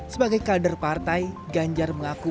sebagai kader partai ganjar mengaku